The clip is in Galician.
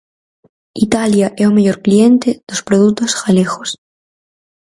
Italia é o mellor cliente dos produtos galegos.